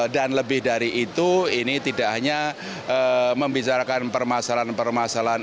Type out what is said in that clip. dan lebih dari itu ini tidak hanya membicarakan permasalahan permasalahan